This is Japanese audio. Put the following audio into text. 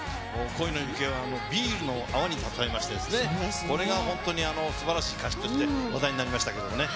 恋の行方をビールの泡に例えまして、これが本当にすばらしい歌詞として話題になりましたけれどもね。